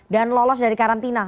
dan lolos dari karantina